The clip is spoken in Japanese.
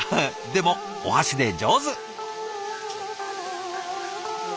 でもお箸で上手。